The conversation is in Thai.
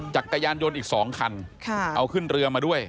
จักรยานยนต์อีก๒คันเอาขึ้นเรือมาด้วย